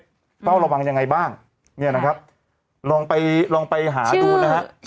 เฝ้าระวังยังไงบ้างเนี่ยนะครับลองไปลองไปหาดูนะฮะ